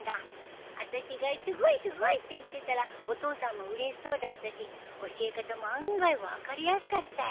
あたしがすごいすごいって言ってたらお父さんもうれしそうだったし教え方も案外分かりやすかったよ。